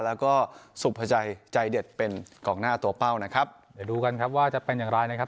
แล้วก็สุภาชัยใจเด็ดเป็นกองหน้าตัวเป้านะครับเดี๋ยวดูกันครับว่าจะเป็นอย่างไรนะครับ